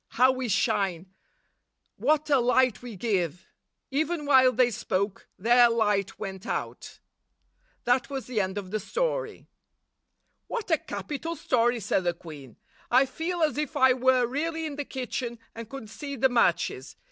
How we shine! What a light we give!' Even while they spoke, their light went out." That was the end of the story. "What a capital story!" said the queen. "I 1 99 feel as if I were really in the kitchen, and could see the matches.